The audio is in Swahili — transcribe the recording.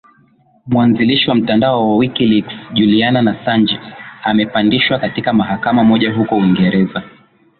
mwanzilishi wa mtandao wa wikileaks julian nasanji amepandishwa katika mahakama moja huko uingereza